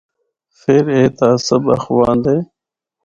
فر ایہہ تعصب آخواندے۔